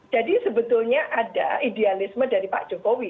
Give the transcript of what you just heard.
jadi sebetulnya ada idealisme dari pak jokowi